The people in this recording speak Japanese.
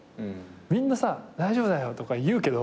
みんなさ「大丈夫だよ」とか言うけど。